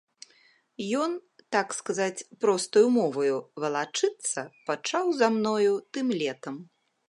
Ён, так сказаць, простаю моваю, валачыцца пачаў за мною тым летам.